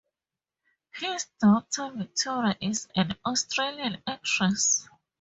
His daughter, Victoria, is an Australian actress.